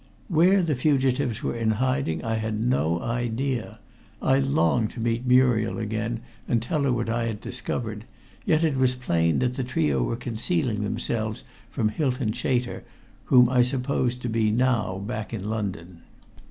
Where the fugitives were in hiding I had no idea. I longed to meet Muriel again and tell her what I had discovered, yet it was plain that the trio were concealing themselves from Hylton Chater, whom I supposed to be now back in London.